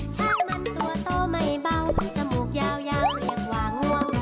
ช่างมันตัวโตไม่เบาจมูกยาวเรียกว่าง่วง